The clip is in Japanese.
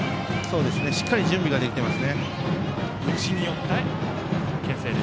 しっかり準備ができています。